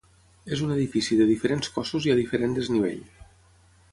És un edifici de diferents cossos i a diferent desnivell.